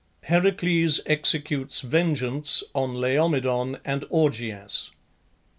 HERACLES EXECUTES VENGEANCE ON LAOMEDON AND AUGEAS.